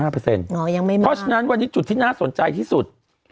เพราะฉะนั้นวันนี้จุดที่น่าสนใจที่สุด